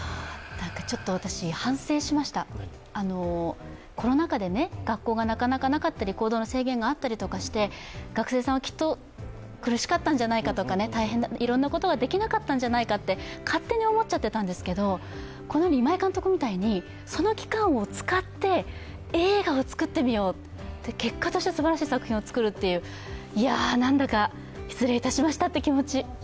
ちょっと私、反省しました、コロナ禍で学校がなかなかなかったり、行動の制限があったりし、学生さんはきっと苦しかったんじゃないかとか、いろんなことができなかったんじゃないかって勝手に思っちゃっていたんですけど、このように今井監督みたいに、その期間を使って映画を作ってみよう、結果としてすばらしい作品を作るといういや、何だか失礼いたしましたという気持ち。